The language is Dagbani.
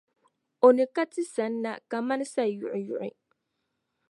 O ni ka ti sanna kaman sayuɣiyuɣi.